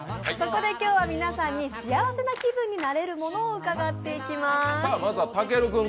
そこで今日は皆さんに幸せな気分になれるものを伺っていきます。